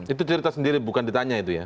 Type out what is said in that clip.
itu cerita sendiri bukan ditanya itu ya